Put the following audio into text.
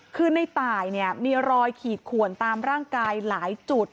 คือในตายเนี่ยมีรอยขีดขวนตามร่างกายหลายจุด